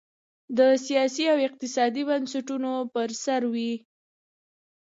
د سیاسي او اقتصادي بنسټونو پر سر وې.